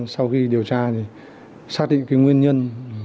sau khi điều tra thì xác định cái nguyên nhân